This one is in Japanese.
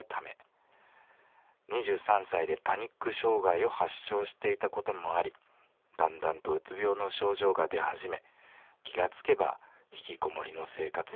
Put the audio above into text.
２３歳でパニック障害を発症していたこともありだんだんとうつ病の症状が出始め気が付けばひきこもりの生活になっていました。